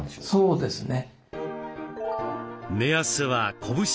そうですね。